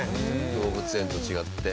動物園と違って。